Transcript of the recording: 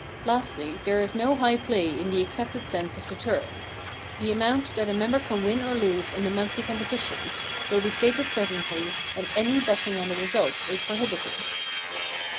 Lastly, there is no high play in the accepted sens,e of the term. The amount that a member can win or lose in the monthly competitions will be stated presently, and any betting on the results is prohibited.